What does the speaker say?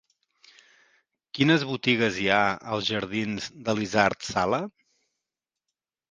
Quines botigues hi ha als jardins d'Elisard Sala?